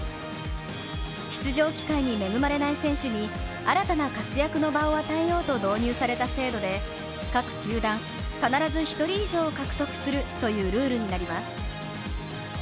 出場機会に恵まれない選手に新たな活躍の場を与えようと導入された制度で、各球団、必ず１人以上を獲得するというルールになります。